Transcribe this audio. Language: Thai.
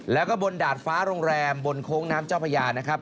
แล้วก็บนดาดฟ้าโรงแรมบนโค้งน้ำเจ้าพญานะครับ